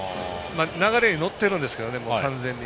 流れに乗ってるんですね、完全に。